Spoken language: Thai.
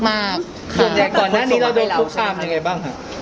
ส่วนใหญ่ก่อนหน้านี้เราโดนคุกคามยังไงบ้างค่ะ